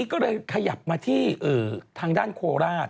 ก็เลยขยับมาที่ทางด้านโคราช